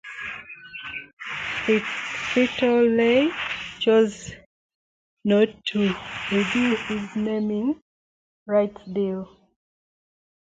Frito-Lay chose not to renew its naming rights deal.